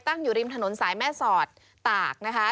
อยู่ริมถนนสายแม่สอดตากนะคะ